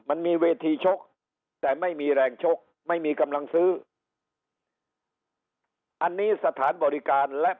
มันมีเวทีชกแต่ไม่มีแรงชกไม่มีกำลังซื้ออันนี้สถานบริการและ